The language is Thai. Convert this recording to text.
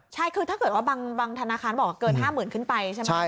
ใช่คือถ้าเกิดว่าบางธนาคารบอกเกิน๕๐๐๐ขึ้นไปใช่ไหม